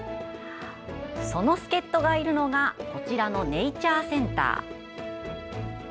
その助っとがいるのがこちらのネイチャーセンター。